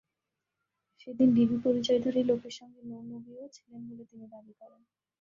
সেদিন ডিবি পরিচয়ধারী লোকের সঙ্গে নূর নবীও ছিলেন বলে তিনি দাবি করেন।